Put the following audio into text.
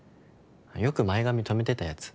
よく前髪とめてたやつ。